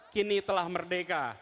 kini telah merdeka